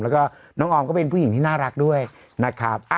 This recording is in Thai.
แล้วก็น้องออมก็เป็นผู้หญิงที่น่ารักด้วยนะครับ